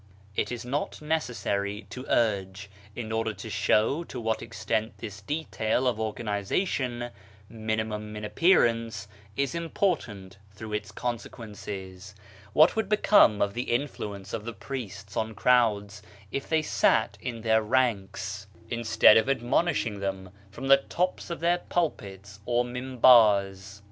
It is not necessary to urge, in order to show to what extent this detail of organisa tion, minimum in appearance, is im portant through its consequences : What would become of the influence of the priests on crowds if they sat in their ranks, instead of admonishing them 1 Kitalnt'l Aqttas, loc. cit. p. 531 WORK 167 from the tops of their pulpits or mim bars